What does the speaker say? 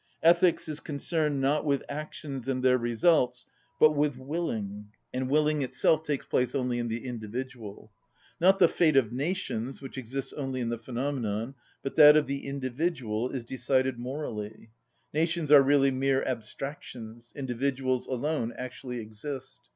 Ethics is concerned not with actions and their results, but with willing, and willing itself takes place only in the individual. Not the fate of nations, which exists only in the phenomenon, but that of the individual is decided morally. Nations are really mere abstractions; individuals alone actually exist.